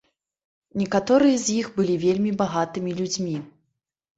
Некаторыя з іх былі вельмі багатымі людзьмі.